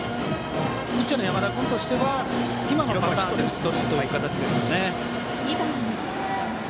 ピッチャーの山田君としては、今のパターンで打ち取るという形ですよね。